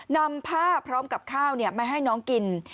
นำผ้าพร้อมกับข้าวมาให้น้องกิน